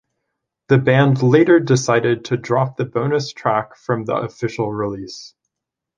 The band later decided to drop the bonus track from the official release.